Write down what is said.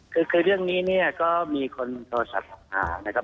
คือเรื่องนี้ก็มีคนโทรศัพท์ภาพ